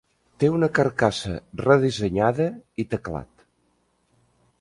Té una carcassa redissenyada i teclat.